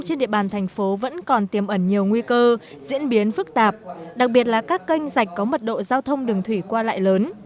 trên địa bàn thành phố vẫn còn tiềm ẩn nhiều nguy cơ diễn biến phức tạp đặc biệt là các kênh dạch có mật độ giao thông đường thủy qua lại lớn